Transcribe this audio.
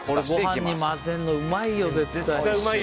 ご飯に混ぜるのうまいよ、絶対。